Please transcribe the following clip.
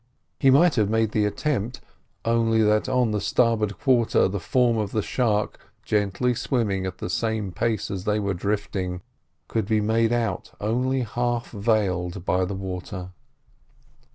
He might have made the attempt, only that on the starboard quarter the form of the shark, gently swimming at the same pace as they were drifting, could be made out only half veiled by the water.